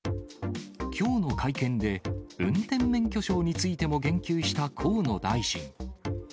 きょうの会見で運転免許証についても言及した河野大臣。